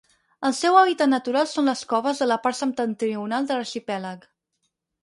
El seu hàbitat natural són les coves de la part septentrional de l'arxipèlag.